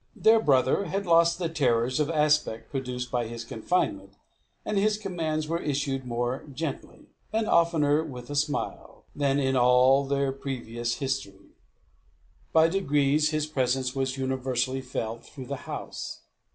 Their brother had lost the terrors of aspect produced by his confinement, and his commands were issued more gently, and oftener with a smile, than in all their previous history. By degrees his presence was universally felt through the house.